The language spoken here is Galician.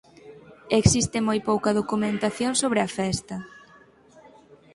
Existe moi pouca documentación sobre a festa.